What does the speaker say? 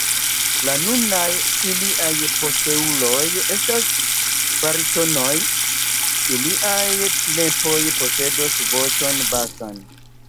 La nunaj iliaj posteuloj estas baritonoj, iliaj nepoj posedos voĉon basan.